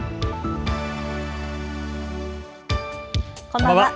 こんばんは。